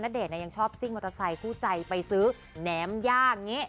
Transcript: นัดเด่นเนี่ยยังชอบซิ่งมอเตอร์ไซค์ผู้ใจไปซื้อแหนมย่างเนี้ย